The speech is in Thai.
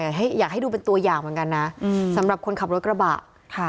อยากให้อยากให้ดูเป็นตัวอย่างเหมือนกันนะอืมสำหรับคนขับรถกระบะค่ะ